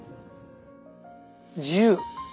自由！